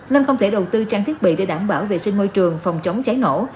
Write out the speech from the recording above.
nên không thể đầu tư trang thiết bị để đảm bảo vệ sinh môi trường phòng chống cháy nổ